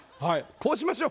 こうしましょ。